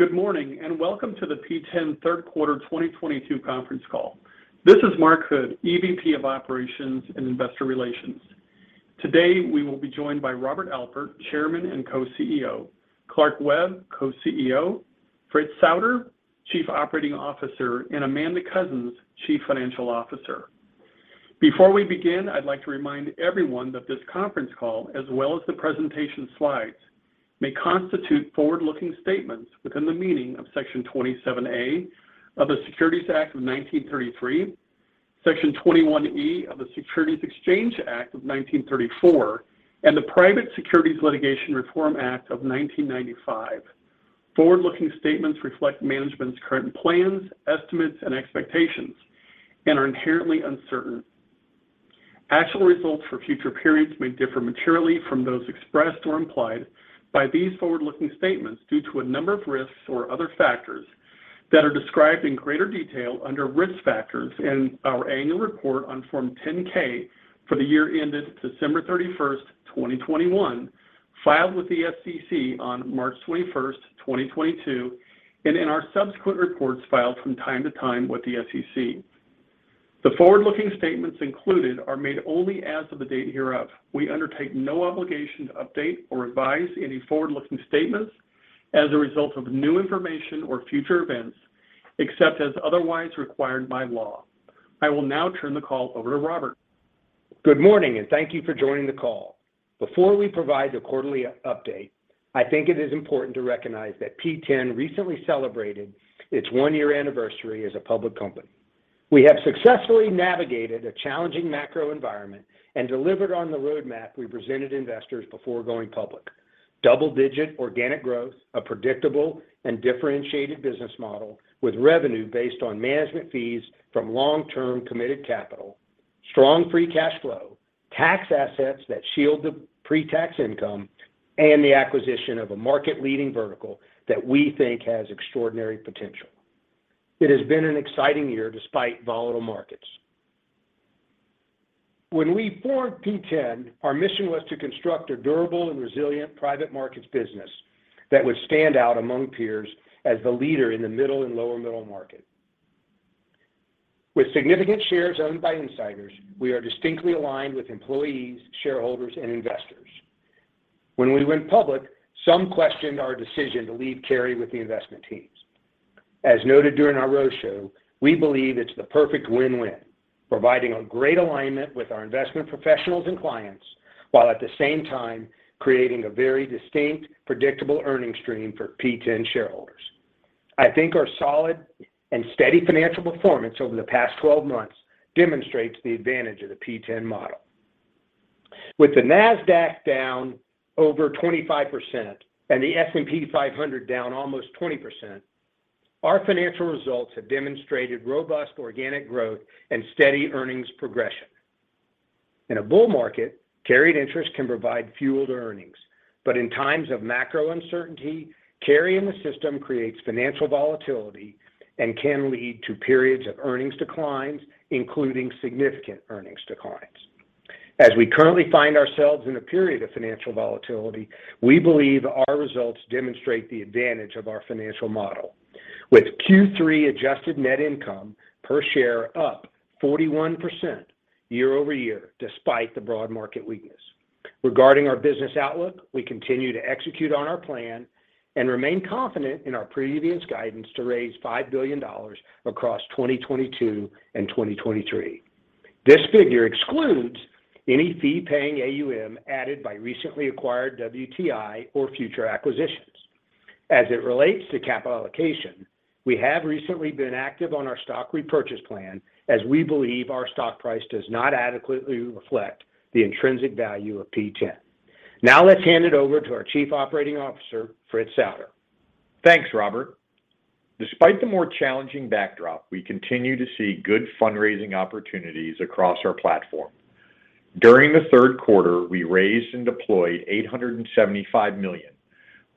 Good morning, and welcome to the P10 Q3 2022 conference call. This is Mark Hood, EVP of Operations and Investor Relations. Today, we will be joined by Robert Alpert, Chairman and Co-CEO, Clark Webb, Co-CEO, Fritz Souder, Chief Operating Officer, and Amanda Coussens, Chief Financial Officer. Before we begin, I'd like to remind everyone that this conference call, as well as the presentation slides, may constitute forward-looking statements within the meaning of Section 27A of the Securities Act of 1933, Section 21E of the Securities Exchange Act of 1934, and the Private Securities Litigation Reform Act of 1995. Forward-looking statements reflect management's current plans, estimates, and expectations and are inherently uncertain Actual results for future periods may differ materially from those expressed or implied by these forward-looking statements due to a number of risks or other factors that are described in greater detail under Risk Factors in our annual report on Form 10-K for the year ended December 31st, 2021, filed with the SEC on March 21st, 2022, and in our subsequent reports filed from time to time with the SEC. The forward-looking statements included are made only as of the date hereof. We undertake no obligation to update or revise any forward-looking statements as a result of new information or future events, except as otherwise required by law. I will now turn the call over to Robert Alpert. Good morning, and thank you for joining the call. Before we provide the quarterly update, I think it is important to recognize that P10 recently celebrated its one-year anniversary as a public company. We have successfully navigated a challenging macro environment and delivered on the roadmap we presented investors before going public. Double-digit organic growth, a predictable and differentiated business model with revenue based on management fees from long-term committed capital, strong free cash flow, tax assets that shield the pre-tax income, and the acquisition of a market-leading vertical that we think has extraordinary potential. It has been an exciting year despite volatile markets. When we formed P10, our mission was to construct a durable and resilient private markets business that would stand out among peers as the leader in the middle and lower middle market. With significant shares owned by insiders, we are distinctly aligned with employees, shareholders, and investors. When we went public, some questioned our decision to leave carry with the investment teams. As noted during our roadshow, we believe it's the perfect win-win, providing a great alignment with our investment professionals and clients, while at the same time creating a very distinct, predictable earnings stream for P10 shareholders. I think our solid and steady financial performance over the past 12 months demonstrates the advantage of the P10 model. With the Nasdaq down over 25% and the S&P 500 down almost 20%, our financial results have demonstrated robust organic growth and steady earnings progression. In a bull market, carried interest can provide fueled earnings, but in times of macro uncertainty, carry in the system creates financial volatility and can lead to periods of earnings declines, including significant earnings declines. As we currently find ourselves in a period of financial volatility, we believe our results demonstrate the advantage of our financial model. With Q3 adjusted net income per share up 41% year-over-year despite the broad market weakness. Regarding our business outlook, we continue to execute on our plan and remain confident in our previous guidance to raise $5 billion across 2022 and 2023. This figure excludes any fee-paying AUM added by recently acquired WTI or future acquisitions. As it relates to capital allocation, we have recently been active on our stock repurchase plan as we believe our stock price does not adequately reflect the intrinsic value of P10. Now let's hand it over to our Chief Operating Officer, Fritz Souder. Thanks, Robert. Despite the more challenging backdrop, we continue to see good fundraising opportunities across our platform. During the Q3, we raised and deployed $875 million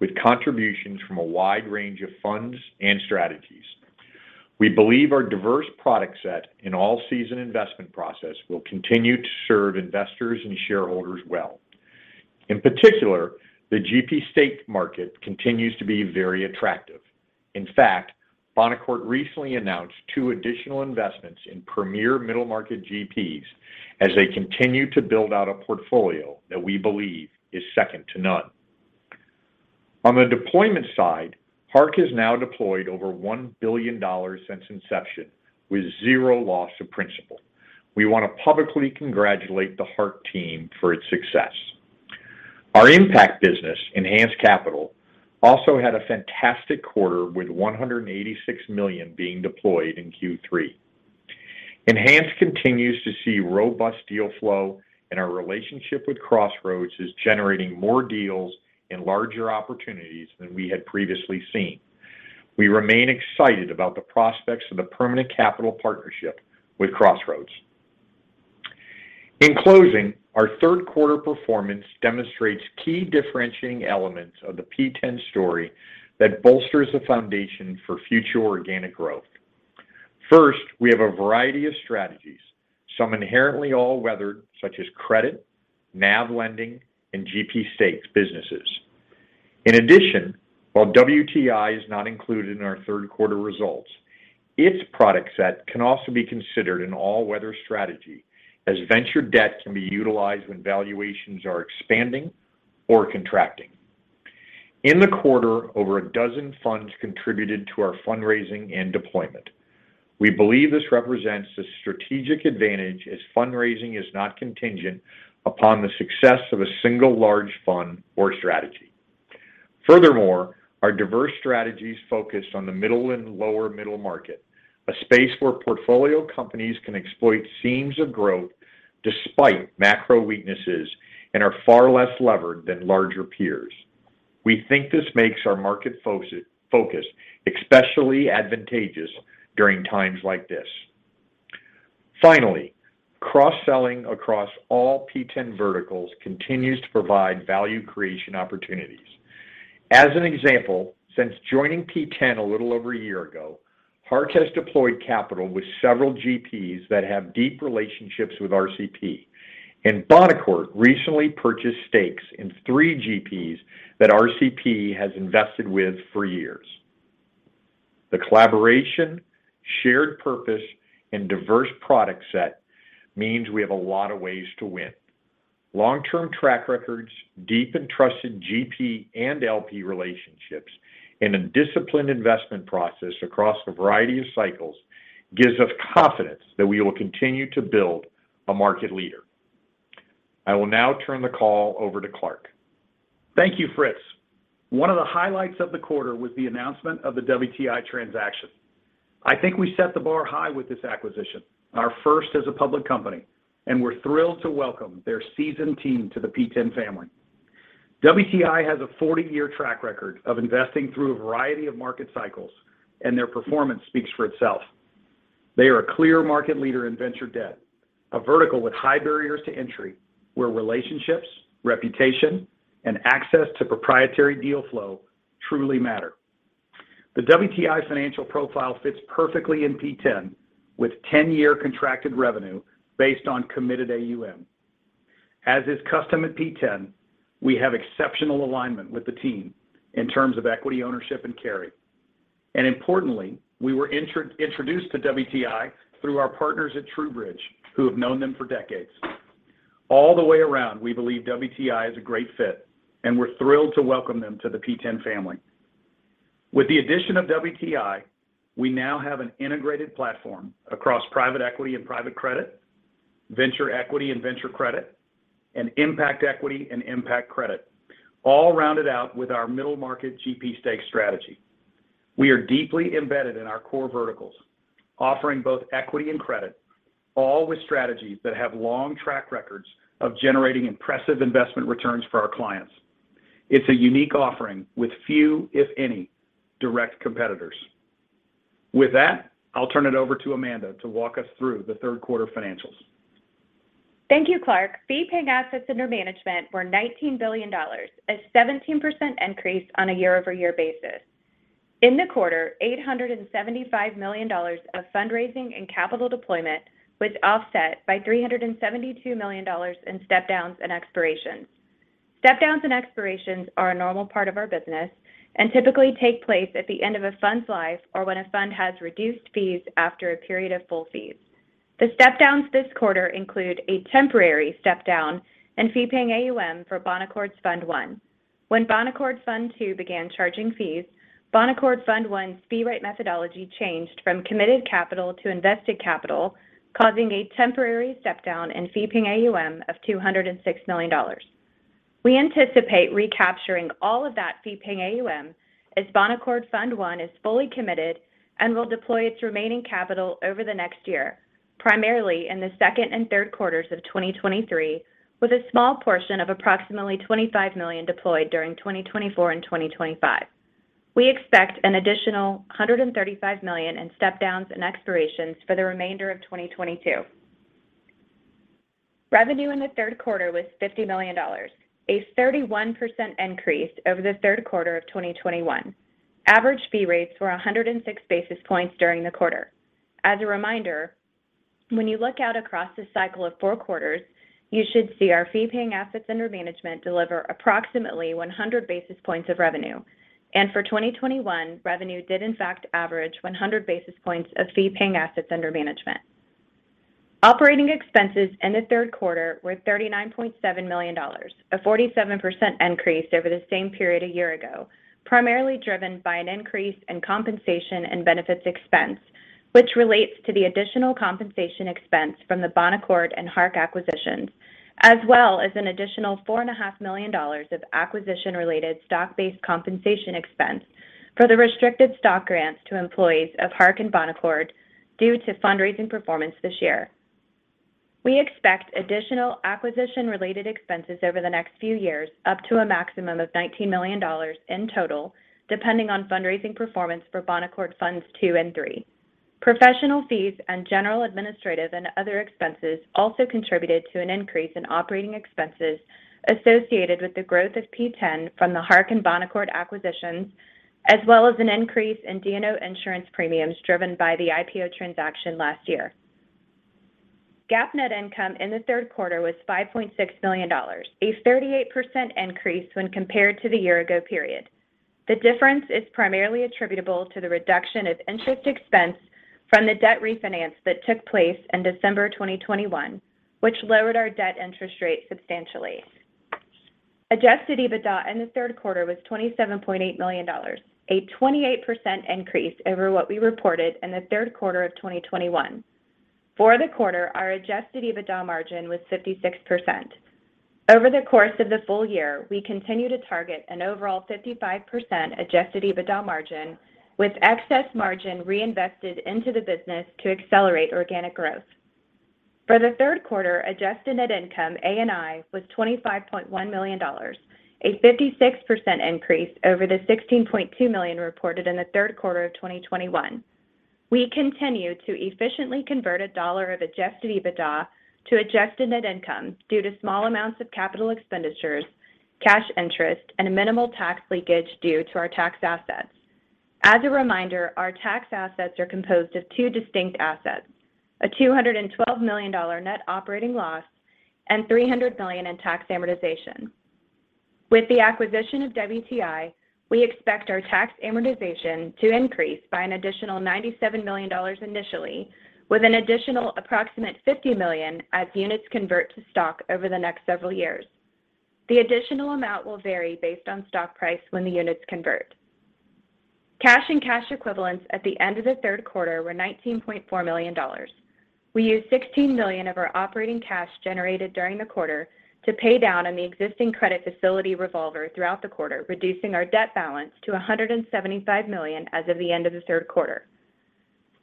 with contributions from a wide range of funds and strategies. We believe our diverse product set and all-season investment process will continue to serve investors and shareholders well. In particular, the GP stake market continues to be very attractive. In fact, Bonaccord recently announced two additional investments in premier middle market GPs as they continue to build out a portfolio that we believe is second to none. On the deployment side, Hark has now deployed over $1 billion since inception with zero loss of principal. We want to publicly congratulate the Hark team for its success. Our impact business, Enhanced Capital, also had a fantastic quarter with $186 million being deployed in Q3. Enhanced continues to see robust deal flow, and our relationship with Crossroads is generating more deals and larger opportunities than we had previously seen. We remain excited about the prospects of the permanent capital partnership with Crossroads. In closing, our Q3 performance demonstrates key differentiating elements of the P10 story that bolsters the foundation for future organic growth. First, we have a variety of strategies, some inherently all-weather, such as credit, NAV lending, and GP stakes businesses. In addition, while WTI is not included in our Q3 results, its product set can also be considered an all-weather strategy, as venture debt can be utilized when valuations are expanding or contracting. In the quarter, over a dozen funds contributed to our fundraising and deployment. We believe this represents a strategic advantage as fundraising is not contingent upon the success of a single large fund or strategy. Furthermore, our diverse strategies focused on the middle and lower middle market, a space where portfolio companies can exploit seams of growth despite macro weaknesses and are far less levered than larger peers. We think this makes our market focus especially advantageous during times like this. Finally, cross-selling across all P10 verticals continues to provide value creation opportunities. As an example, since joining P10 a little over a year ago, Hark has deployed capital with several GPs that have deep relationships with RCP, and Bonaccord recently purchased stakes in three GPs that RCP has invested with for years. The collaboration, shared purpose, and diverse product set means we have a lot of ways to win. Long-term track records, deep and trusted GP and LP relationships, and a disciplined investment process across a variety of cycles gives us confidence that we will continue to build a market leader. I will now turn the call over to Clark. Thank you, Fritz. One of the highlights of the quarter was the announcement of the WTI transaction. I think we set the bar high with this acquisition, our first as a public company, and we're thrilled to welcome their seasoned team to the P10 family. WTI has a 40-year track record of investing through a variety of market cycles, and their performance speaks for itself. They are a clear market leader in venture debt, a vertical with high barriers to entry, where relationships, reputation, and access to proprietary deal flow truly matter. The WTI financial profile fits perfectly in P10 with 10-year contracted revenue based on committed AUM. As is custom at P10, we have exceptional alignment with the team in terms of equity ownership and carry. Importantly, we were introduced to WTI through our partners at TrueBridge, who have known them for decades. All the way around, we believe WTI is a great fit, and we're thrilled to welcome them to the P10 family. With the addition of WTI, we now have an integrated platform across private equity and private credit, venture equity and venture credit, and impact equity and impact credit, all rounded out with our middle market GP stake strategy. We are deeply embedded in our core verticals, offering both equity and credit, all with strategies that have long track records of generating impressive investment returns for our clients. It's a unique offering with few, if any, direct competitors. With that, I'll turn it over to Amanda to walk us through the Q3 financials. Thank you, Clark. Fee-paying assets under management were $19 billion, a 17% increase on a year-over-year basis. In the quarter, $875 million of fundraising and capital deployment was offset by $372 million in step downs and expirations. Step downs and expirations are a normal part of our business and typically take place at the end of a fund's life or when a fund has reduced fees after a period of full fees. The step downs this quarter include a temporary step down in fee-paying AUM for Bonaccord's Fund one. When Bonaccord Fund two began charging fees, Bonaccord Fund one's fee rate methodology changed from committed capital to invested capital, causing a temporary step down in fee-paying AUM of $206 million. We anticipate recapturing all of that fee-paying AUM as Bonaccord Fund I is fully committed and will deploy its remaining capital over the next year, primarily in the second and Q3s of 2023, with a small portion of approximately $25 million deployed during 2024 and 2025. We expect an additional $135 million in step downs and expirations for the remainder of 2022. Revenue in the Q3 was $50 million, a 31% increase over the Q3 of 2021. Average fee rates were 106 basis points during the quarter. As a reminder, when you look out across the cycle of four quarters, you should see our fee-paying assets under management deliver approximately 100 basis points of revenue. For 2021, revenue did in fact average 100 basis points of fee-paying assets under management. Operating expenses in the Q3 were $39.7 million, a 47% increase over the same period a year ago, primarily driven by an increase in compensation and benefits expense, which relates to the additional compensation expense from the Bonaccord and Hark acquisitions, as well as an additional $4.5 million of acquisition-related stock-based compensation expense for the restricted stock grants to employees of Hark and Bonaccord due to fundraising performance this year. We expect additional acquisition-related expenses over the next few years, up to a maximum of $19 million in total, depending on fundraising performance for Bonaccord Funds two and three. Professional fees and general administrative and other expenses also contributed to an increase in operating expenses associated with the growth of P10 from the Hark and Bonaccord acquisitions, as well as an increase in D&O insurance premiums driven by the IPO transaction last year. GAAP net income in the Q3 was $5.6 million, a 38% increase when compared to the year ago period. The difference is primarily attributable to the reduction of interest expense from the debt refinance that took place in December 2021, which lowered our debt interest rate substantially. Adjusted EBITDA in the Q3 was $27.8 million, a 28% increase over what we reported in the Q3 of 2021. For the quarter, our Adjusted EBITDA margin was 56%. Over the course of the full year, we continue to target an overall 55% Adjusted EBITDA margin, with excess margin reinvested into the business to accelerate organic growth. For the Q3, adjusted net income (ANI) was $25.1 million, a 56% increase over the $16.2 million reported in the Q3 of 2021. We continue to efficiently convert a dollar of Adjusted EBITDA to adjusted net income due to small amounts of capital expenditures, cash interest, and a minimal tax leakage due to our tax assets. As a reminder, our tax assets are composed of two distinct assets, a $212 million net operating loss and $300 million in tax amortization. With the acquisition of WTI, we expect our tax amortization to increase by an additional $97 million initially, with an additional approximate $50 million as units convert to stock over the next several years. The additional amount will vary based on stock price when the units convert. Cash and cash equivalents at the end of the Q3 were $19.4 million. We used $16 million of our operating cash generated during the quarter to pay down on the existing credit facility revolver throughout the quarter, reducing our debt balance to $175 million as of the end of the Q3.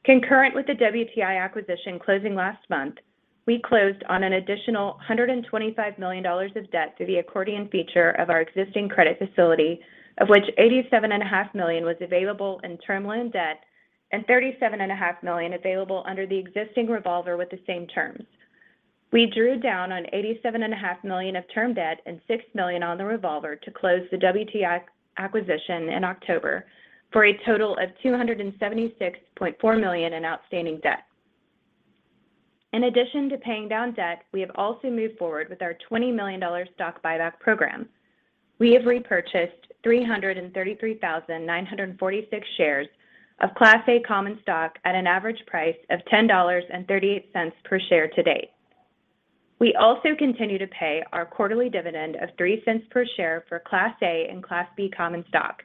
Concurrent with the WTI acquisition closing last month, we closed on an additional $125 million of debt through the accordion feature of our existing credit facility, of which $87.5 million was available in term loan debt and $37.5 million available under the existing revolver with the same terms. We drew down on $87.5 million of term debt and $6 million on the revolver to close the WTI acquisition in October for a total of $276.4 million in outstanding debt. In addition to paying down debt, we have also moved forward with our $20 million stock buyback program. We have repurchased 333,946 shares of Class A common stock at an average price of $10.38 per share to date. We also continue to pay our quarterly dividend of $0.03 per share for Class A and Class B common stock.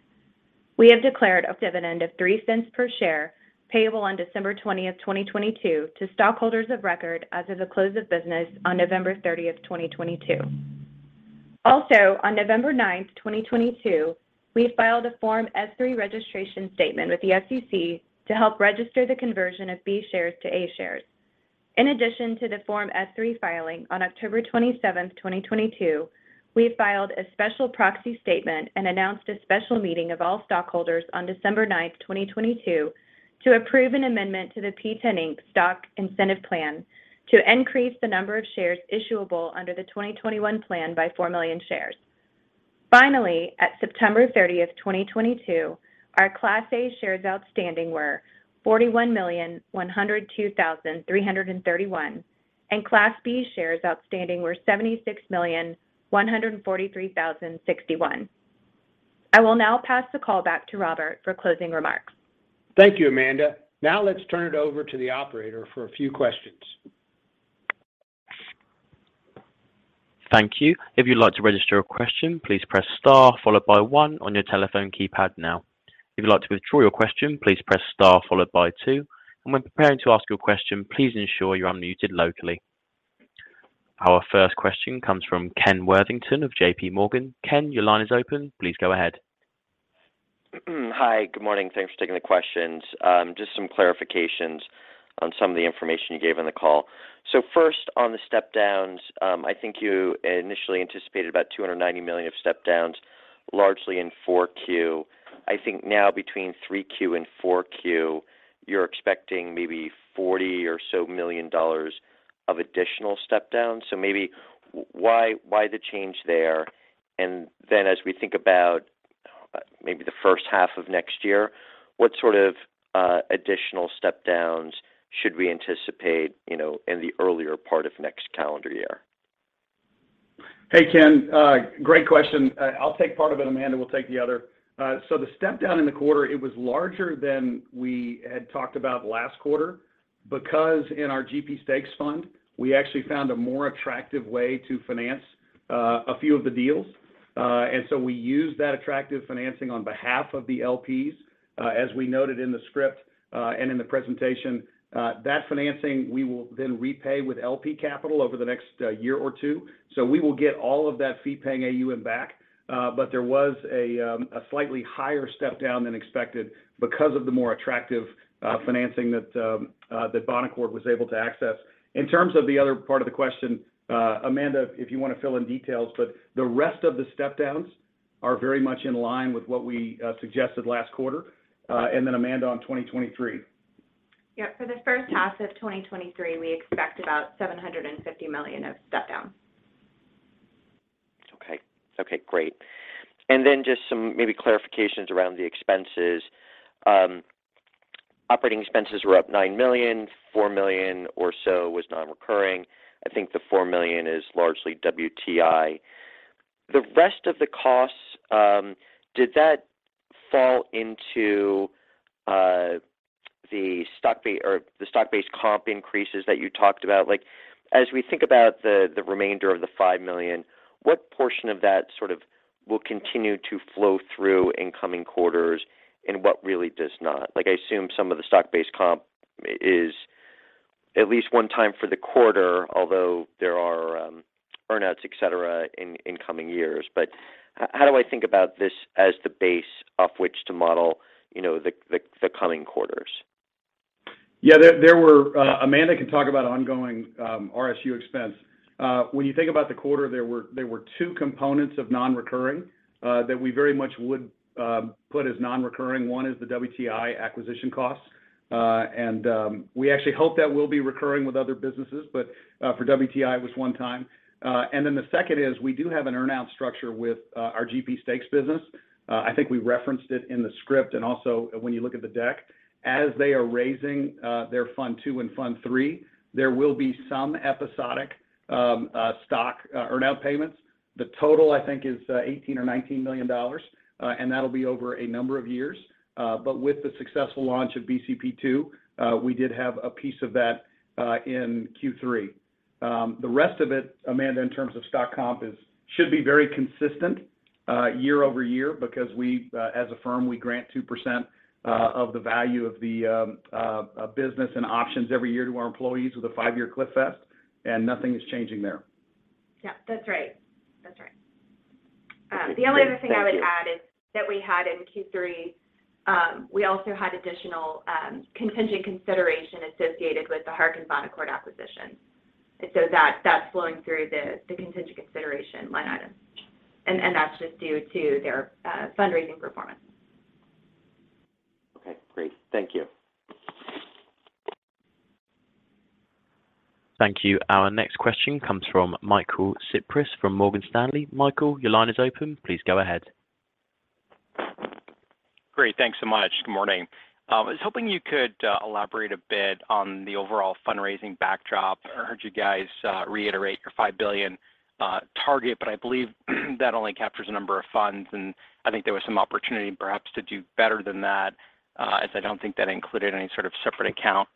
We have declared a dividend of $0.03 per share payable on December 20th, 2022 to stockholders of record as of the close of business on November 30th, 2022. Also, on November 9th, 2022, we filed a Form S-3 registration statement with the SEC to help register the conversion of B shares to A shares. In addition to the Form S-3 filing on October 27th, 2022, we filed a special proxy statement and announced a special meeting of all stockholders on December 9th, 2022 to approve an amendment to the P10, Inc. stock incentive plan to increase the number of shares issuable under the 2021 plan by four million shares. Finally, at September 30th, 2022, our Class A shares outstanding were 41,102,331, and Class B shares outstanding were 76,143,061. I will now pass the call back to Robert for closing remarks. Thank you, Amanda. Now let's turn it over to the operator for a few questions. Thank you. If you'd like to register a question, please press star followed by one on your telephone keypad now. If you'd like to withdraw your question, please press star followed by two. When preparing to ask your question, please ensure you're unmuted locally. Our first question comes from Ken Worthington of JP Morgan. Ken, your line is open. Please go ahead. Hi, good morning. Thanks for taking the questions. Just some clarifications on some of the information you gave on the call. First, on the step downs, I think you initially anticipated about $290 million of step downs, largely in 4Q. I think now between 3Q and 4Q you're expecting maybe 40 or so million dollars of additional step downs. Why the change there? Then as we think about maybe the H1 of next year, what sort of additional step downs should we anticipate, you know, in the earlier part of next calendar year? Hey, Ken, great question. I'll take part of it, Amanda will take the other. The step down in the quarter, it was larger than we had talked about last quarter because in our GP stakes fund, we actually found a more attractive way to finance a few of the deals. We used that attractive financing on behalf of the LPs. As we noted in the script and in the presentation, that financing we will then repay with LP capital over the next year or two. We will get all of that fee-paying AUM back. There was a slightly higher step-down than expected because of the more attractive financing that Bonaccord was able to access. In terms of the other part of the question, Amanda, if you wanna fill in details, but the rest of the step downs are very much in line with what we suggested last quarter. Amanda on 2023. Yeah. For the H1 of 2023, we expect about $750 million of step downs. Okay, great. Just some maybe clarifications around the expenses. Operating expenses were up $9 million, $4 million or so was non-recurring. I think the $4 million is largely WTI. The rest of the costs, did that fall into the stock-based comp increases that you talked about? Like, as we think about the remainder of the $5 million, what portion of that sort of will continue to flow through in coming quarters, and what really does not? Like, I assume some of the stock-based comp is at least one time for the quarter, although there are earn-outs, et cetera, in coming years. How do I think about this as the base off which to model, you know, the coming quarters? Amanda can talk about ongoing RSU expense. When you think about the quarter, there were two components of non-recurring that we very much would put as non-recurring. One is the WTI acquisition costs. We actually hope that will be recurring with other businesses, but for WTI, it was one time. The second is we do have an earn-out structure with our GP stakes business. I think we referenced it in the script and also when you look at the deck. As they are raising their fund two and fund three, there will be some episodic stock earn-out payments. The total, I think, is $18 or $19 million, and that'll be over a number of years. With the successful launch of BCP II, we did have a piece of that in Q3. The rest of it, Amanda, in terms of stock comp should be very consistent year-over-year because we, as a firm, we grant 2% of the value of the business and options every year to our employees with a five-year cliff vest, and nothing is changing there. Yeah. That's right. Great. Thank you. The only other thing I would add is that we had in Q3 we also had additional contingent consideration associated with the Hark and Bonaccord acquisition. That's flowing through the contingent consideration line item. That's just due to their fundraising performance. Okay, great. Thank you. Thank you. Our next question comes from Michael Cyprys from Morgan Stanley. Michael, your line is open. Please go ahead. Great. Thanks so much. Good morning. I was hoping you could elaborate a bit on the overall fundraising backdrop. I heard you guys reiterate your $5 billion target, but I believe that only captures a number of funds, and I think there was some opportunity perhaps to do better than that, as I don't think that included any sort of separate account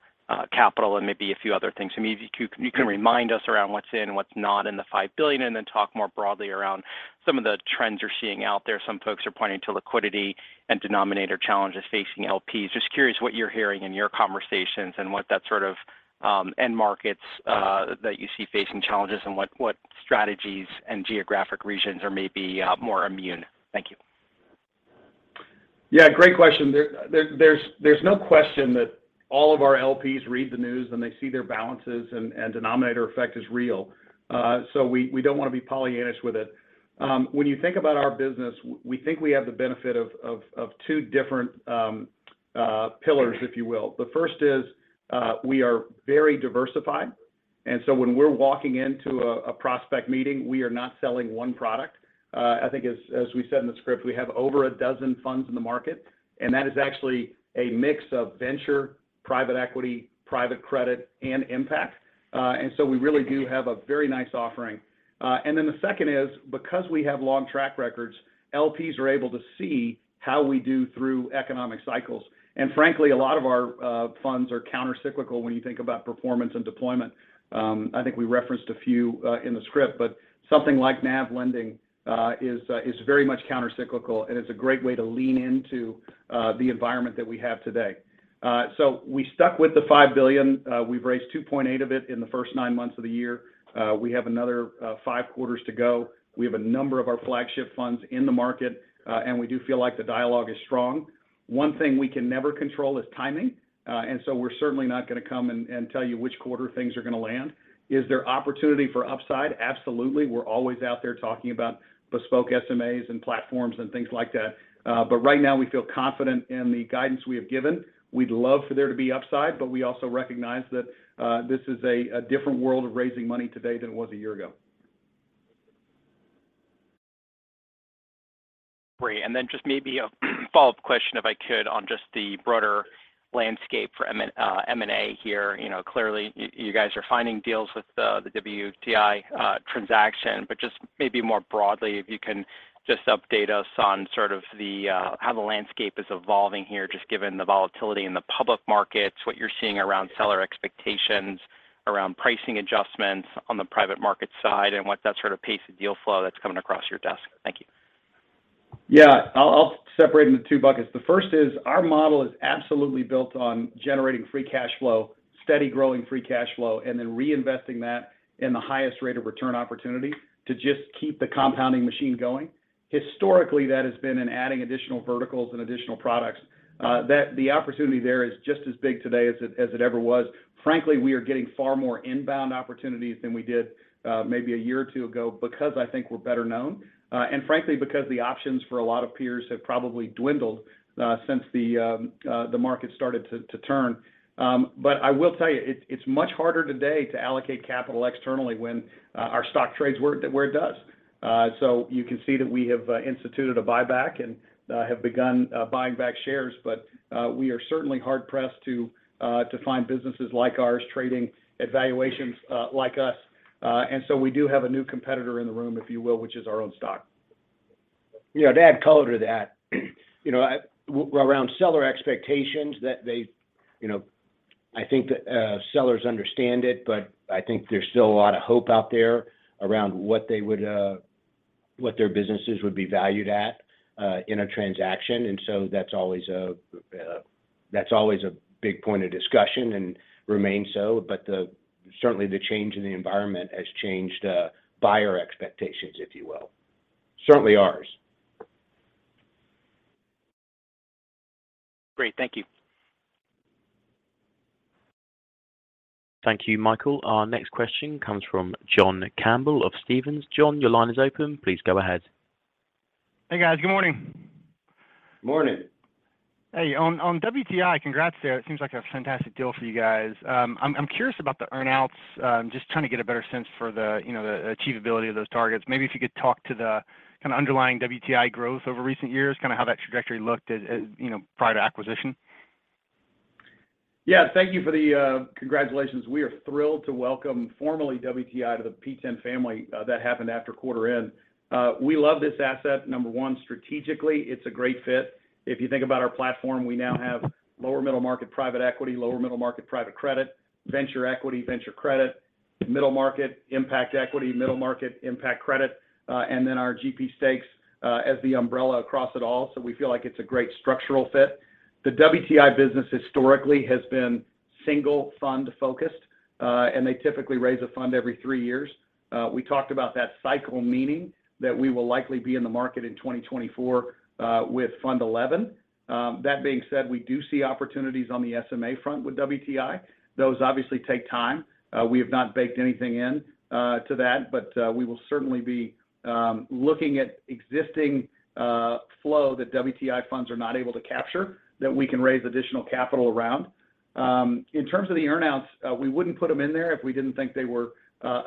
capital and maybe a few other things. Maybe if you can remind us around what's in, what's not in the $5 billion, and then talk more broadly around some of the trends you're seeing out there. Some folks are pointing to liquidity and denominator challenges facing LPs. Just curious what you're hearing in your conversations and what that sort of end markets that you see facing challenges and what strategies and geographic regions are maybe more immune. Thank you. Yeah, great question. There's no question that all of our LPs read the news, and they see their balances, and denominator effect is real. We don't wanna be Pollyannaish with it. When you think about our business, we think we have the benefit of two different pillars, if you will. The first is, we are very diversified, and so when we're walking into a prospect meeting, we are not selling one product. I think as we said in the script, we have over a dozen funds in the market, and that is actually a mix of venture, private equity, private credit, and impact. We really do have a very nice offering. The second is because we have long track records, LPs are able to see how we do through economic cycles. Frankly, a lot of our funds are countercyclical when you think about performance and deployment. I think we referenced a few in the script, but something like NAV lending is very much countercyclical, and it's a great way to lean into the environment that we have today. We stuck with the $5 billion. We've raised $2.8 billion of it in the first nine months of the year. We have another five quarters to go. We have a number of our flagship funds in the market, and we do feel like the dialogue is strong. One thing we can never control is timing. We're certainly not gonna come and tell you which quarter things are gonna land. Is there opportunity for upside? Absolutely. We're always out there talking about bespoke SMAs and platforms and things like that. Right now, we feel confident in the guidance we have given. We'd love for there to be upside, but we also recognize that this is a different world of raising money today than it was a year ago. Great. Then just maybe a follow-up question, if I could, on just the broader landscape for M&A here. You know, clearly you guys are finding deals with the WTI transaction. But just maybe more broadly, if you can just update us on sort of how the landscape is evolving here, just given the volatility in the public markets, what you're seeing around seller expectations, around pricing adjustments on the private market side, and what that sort of pace of deal flow that's coming across your desk. Thank you. Yeah. I'll separate into two buckets. The first is our model is absolutely built on generating free cash flow, steady growing free cash flow, and then reinvesting that in the highest rate of return opportunity to just keep the compounding machine going. Historically, that has been in adding additional verticals and additional products that the opportunity there is just as big today as it ever was. Frankly, we are getting far more inbound opportunities than we did maybe a year or two ago because I think we're better known and frankly, because the options for a lot of peers have probably dwindled since the market started to turn. I will tell you, it's much harder today to allocate capital externally when our stock trades where it does. You can see that we have instituted a buyback and have begun buying back shares, but we are certainly hard pressed to find businesses like ours trading at valuations like us. We do have a new competitor in the room, if you will, which is our own stock. You know, to add color to that, you know, around seller expectations that they, you know. I think that sellers understand it, but I think there's still a lot of hope out there around what their businesses would be valued at in a transaction. That's always a big point of discussion and remains so. Certainly the change in the environment has changed buyer expectations, if you will. Certainly ours. Great. Thank you. Thank you, Michael. Our next question comes from John Campbell of Stephens. John, your line is open. Please go ahead. Hey, guys. Good morning. Morning. Hey, on WTI, congrats there. It seems like a fantastic deal for you guys. I'm curious about the earn-outs. Just trying to get a better sense for the, you know, the achievability of those targets. Maybe if you could talk to the kinda underlying WTI growth over recent years, kinda how that trajectory looked at, you know, prior to acquisition. Yeah. Thank you for the congratulations. We are thrilled to welcome formerly WTI to the P10 family. That happened after quarter end. We love this asset. Number one, strategically, it's a great fit. If you think about our platform, we now have lower middle-market private equity, lower middle-market private credit, venture equity, venture credit, middle market, impact equity, middle market, impact credit, and then our GP stakes as the umbrella across it all. We feel like it's a great structural fit. The WTI business historically has been single fund focused, and they typically raise a fund every three years. We talked about that cycle, meaning that we will likely be in the market in 2024 with Fund XI. That being said, we do see opportunities on the SMA front with WTI. Those obviously take time. We have not baked anything in to that, but we will certainly be looking at existing flow that WTI funds are not able to capture, that we can raise additional capital around. In terms of the earn-outs, we wouldn't put them in there if we didn't think they were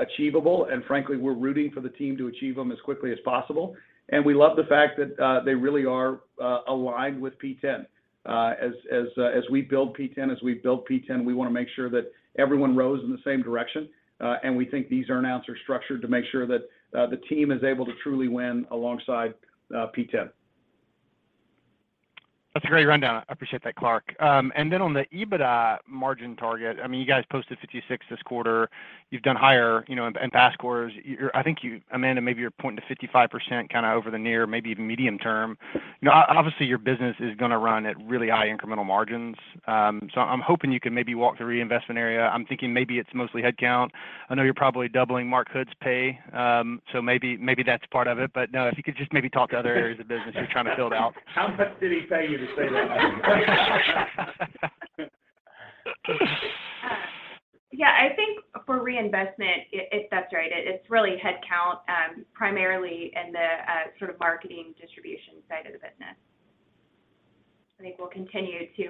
achievable, and frankly, we're rooting for the team to achieve them as quickly as possible. We love the fact that they really are aligned with P10. As we build P10, we wanna make sure that everyone rows in the same direction, and we think these earn-outs are structured to make sure that the team is able to truly win alongside P10. That's a great rundown. I appreciate that, Clark. Then on the EBITDA margin target, I mean, you guys posted 56% this quarter. You've done higher, you know, in past quarters. I think you, Amanda, maybe you're pointing to 55% kinda over the near, maybe even medium term. You know, obviously, your business is gonna run at really high incremental margins. I'm hoping you could maybe walk through reinvestment area. I'm thinking maybe it's mostly headcount. I know you're probably doubling Mark Hood's pay, so maybe that's part of it. But no, if you could just maybe talk to other areas of business you're trying to build out. How much did he pay you to say that? Yeah. I think for reinvestment, it's, that's right. It's really headcount, primarily in the sort of marketing distribution side of the business. I think we'll continue to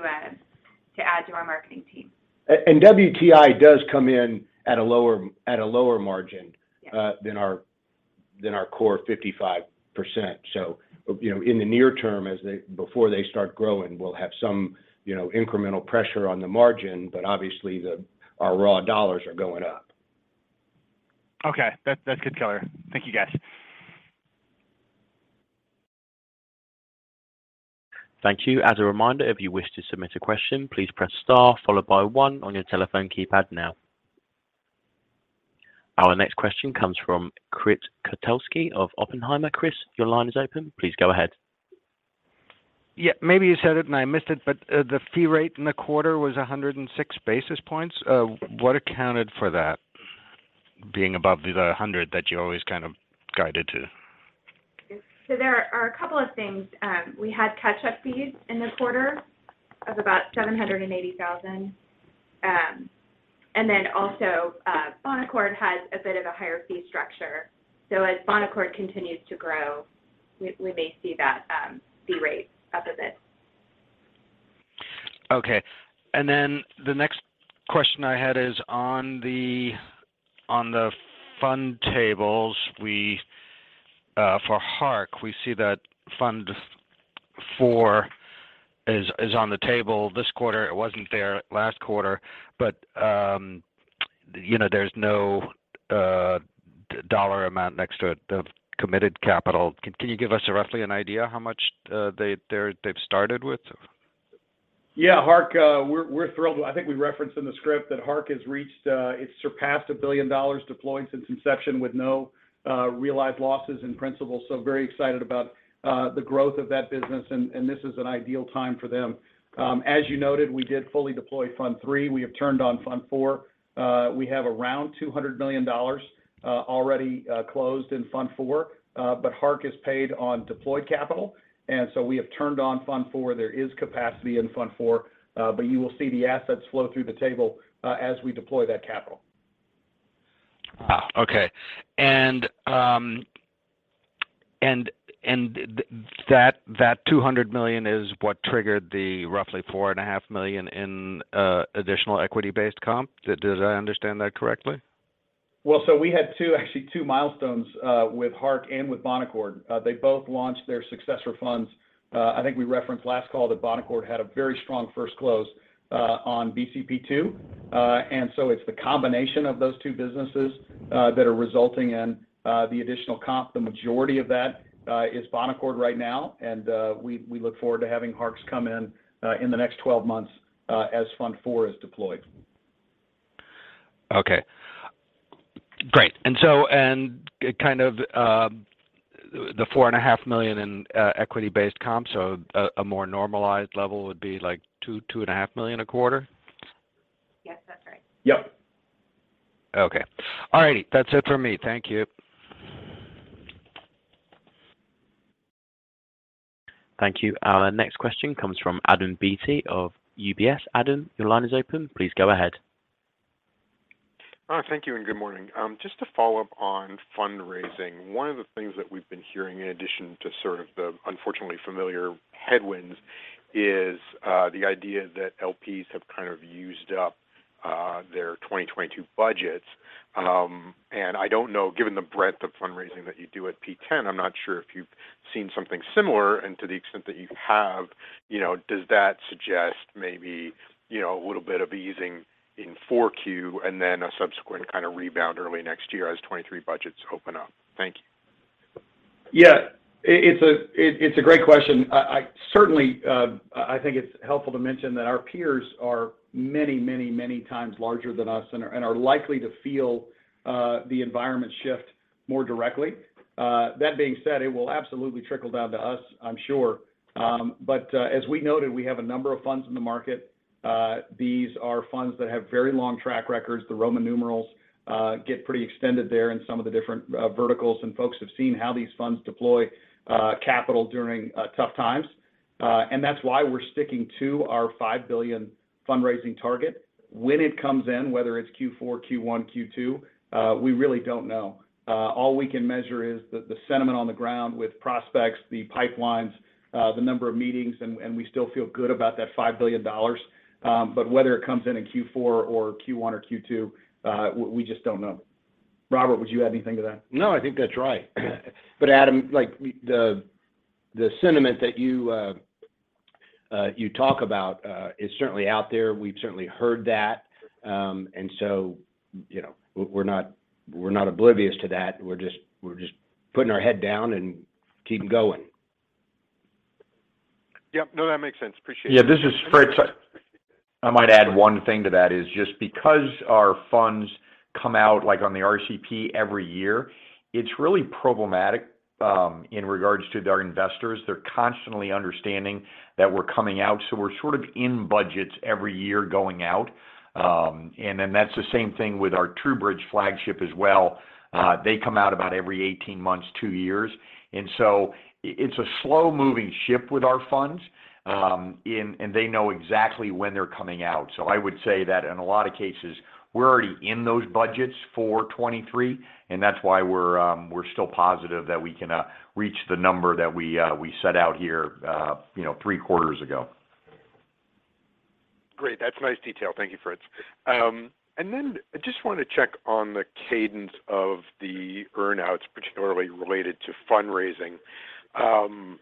add to our marketing team. WTI does come in at a lower margin. Yes than our core 55%. You know, in the near term, before they start growing, we'll have some, you know, incremental pressure on the margin, but obviously our raw dollars are going up. Okay. That, that's good color. Thank you, guys. Thank you. As a reminder, if you wish to submit a question, please press star followed by one on your telephone keypad now. Our next question comes from Chris Kotowski of Oppenheimer. Chris, your line is open. Please go ahead. Yeah. Maybe you said it and I missed it, but the fee rate in the quarter was 106 basis points. What accounted for that being above the 100 that you always kind of guided to? There are a couple of things. We had catch-up fees in the quarter of about $780,000. Then also, Bonaccord has a bit of a higher fee structure. As Bonaccord continues to grow, we may see that fee rate up a bit. Okay. The next question I had is on the fund tables for Hark. We see that fund four is on the table this quarter. It wasn't there last quarter, but there's no dollar amount next to it, the committed capital. Can you give us a rough idea how much they've started with? Yeah. Hark, we're thrilled. I think we referenced in the script that Hark has reached, it's surpassed $1 billion deployed since inception with no realized losses in principal, so very excited about the growth of that business and this is an ideal time for them. As you noted, we did fully deploy Fund three. We have turned on Fund four. We have around $200 million already closed in Fund four. Hark is paid on deployed capital, and so we have turned on Fund Four. There is capacity in Fund Four, but you will see the assets flow through the table as we deploy that capital. Okay. That $200 million is what triggered the roughly $4.5 million in additional equity-based comp. Did I understand that correctly? Well, we had two, actually two milestones with Hark and with Bonaccord. They both launched their successor funds. I think we referenced last call that Bonaccord had a very strong first close on BCP two. It's the combination of those two businesses that are resulting in the additional comp. The majority of that is Bonaccord right now. We look forward to having Hark's come in in the next 12 months as fund four is deployed. Kind of the $4.5 million in equity-based comp. A more normalized level would be like $2 million-$2.5 million a quarter? Yes, that's right. Yep. Okay. All righty. That's it for me. Thank you. Thank you. Our next question comes from Adam Beatty of UBS. Adam, your line is open. Please go ahead. Thank you and good morning. Just to follow up on fundraising. One of the things that we've been hearing in addition to sort of the unfortunately familiar headwinds is the idea that LPs have kind of used up their 2022 budgets. I don't know, given the breadth of fundraising that you do at P10, I'm not sure if you've seen something similar. To the extent that you have, you know, does that suggest maybe, you know, a little bit of easing in 4Q and then a subsequent kind of rebound early next year as 2023 budgets open up? Thank you. Yeah. It's a great question. I certainly think it's helpful to mention that our peers are many times larger than us and are likely to feel the environment shift more directly. That being said, it will absolutely trickle down to us, I'm sure. As we noted, we have a number of funds in the market. These are funds that have very long track records. The Roman numerals get pretty extended there in some of the different verticals. Folks have seen how these funds deploy capital during tough times. That's why we're sticking to our $5 billion fundraising target. When it comes in, whether it's Q4, Q1, Q2, we really don't know. All we can measure is the sentiment on the ground with prospects, the pipelines, the number of meetings, and we still feel good about that $5 billion. Whether it comes in in Q4 or Q1 or Q2, we just don't know. Robert, would you add anything to that? No, I think that's right. Adam, the sentiment that you talk about is certainly out there. We've certainly heard that. You know, we're not oblivious to that. We're just putting our head down and keeping going. Yep. No, that makes sense. Appreciate it. Yeah, this is Fritz. I might add one thing to that is just because our funds come out like on the RCP every year, it's really problematic in regards to their investors. They're constantly understanding that we're coming out, so we're sort of in budgets every year going out. Then that's the same thing with our TrueBridge flagship as well. They come out about every 18 months, two years. It's a slow moving ship with our funds, and they know exactly when they're coming out. I would say that in a lot of cases we're already in those budgets for 2023, and that's why we're still positive that we can reach the number that we set out here, you know, three quarters ago. Great. That's nice detail. Thank you, Fritz. I just want to check on the cadence of the earn-outs particularly related to fundraising. First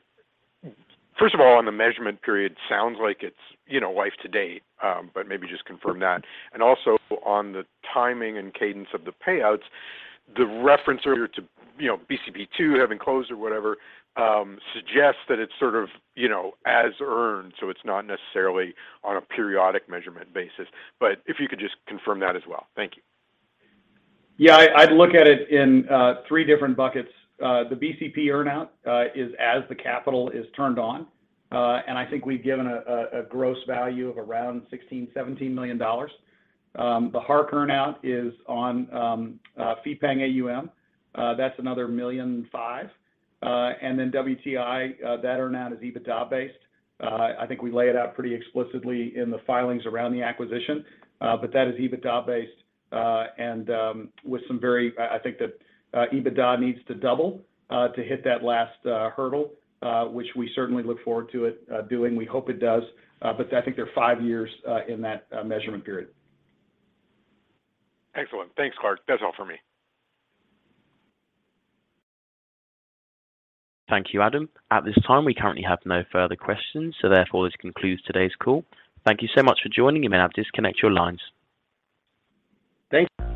of all, on the measurement period, sounds like it's, you know, life to date, but maybe just confirm that. Also on the timing and cadence of the payouts, the reference earlier to, you know, BCP two having closed or whatever, suggests that it's sort of, you know, as earned, so it's not necessarily on a periodic measurement basis. If you could just confirm that as well. Thank you. Yeah. I'd look at it in three different buckets. The BCP earn-out is as the capital is turned on. I think we've given a gross value of around $16 million-$17 million. The Hark earn-out is on fee-paying AUM. That's another $1.5 million. Then WTI, that earn-out is EBITDA based. I think we lay it out pretty explicitly in the filings around the acquisition. That is EBITDA based, and I think that EBITDA needs to double to hit that last hurdle, which we certainly look forward to it doing. We hope it does. I think they're five years in that measurement period. Excellent. Thanks, Clark. That's all for me. Thank you, Adam. At this time, we currently have no further questions. Therefore, this concludes today's call. Thank you so much for joining. You may now disconnect your lines. Thanks.